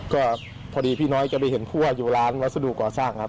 ก็พอดีพี่น้อยจะไปเห็นคั่วอยู่ร้านวัสดุก่อสร้างครับ